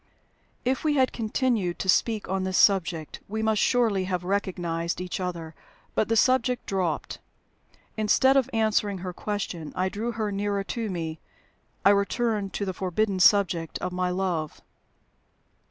If we had continued to speak on this subject, we must surely have recognized each other. But the subject dropped. Instead of answering her question, I drew her nearer to me I returned to the forbidden subject of my love.